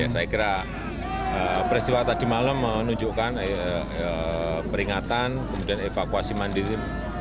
saya kira peristiwa tadi malam menunjukkan peringatan kemudian evakuasi mandiri